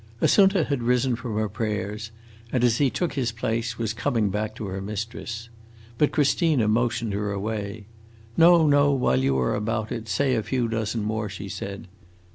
Assunta had risen from her prayers, and, as he took his place, was coming back to her mistress. But Christina motioned her away. "No, no; while you are about it, say a few dozen more!" she said.